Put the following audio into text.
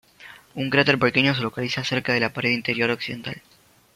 Un cráter pequeño se localiza cerca de la pared interior occidental.